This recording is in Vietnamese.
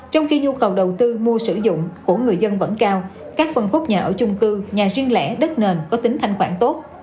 trong khi nhu cầu đầu tư mua sử dụng của người dân vẫn cao các phân khúc nhà ở chung cư nhà riêng lẻ đất nền có tính thanh khoản tốt